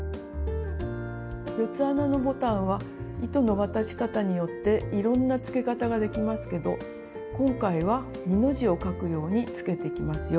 ４つ穴のボタンは糸の渡し方によっていろんなつけ方ができますけど今回は二の字をかくようにつけていきますよ。